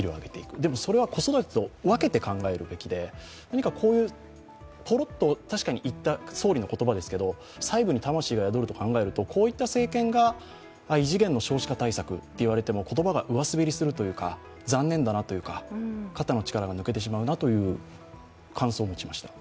でも、それは子育てと分けて考えるべきで、何かぽろっと最後に言った総理の言葉ですけど、魂が入ることを考えるとこういった政権が異次元の少子化対策と言われても言葉がうわ滑りするというか残念だなというか、肩の力が抜けてしまうなという感想を持ちました。